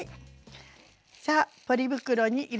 さあポリ袋に入れました。